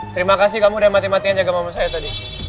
terima kasih kamu udah mati matian jaga mama saya tadi